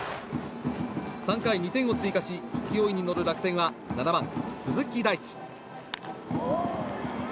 ３回、２点を追加し勢いに乗る楽天は７番、鈴木大地。